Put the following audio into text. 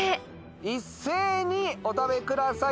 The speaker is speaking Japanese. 一斉にお食べください。